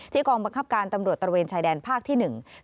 กองบังคับการตำรวจตระเวนชายแดนภาคที่หนึ่ง